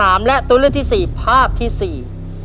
ตัวเลือกที่สามและตัวเลือกที่สี่ภาพที่สี่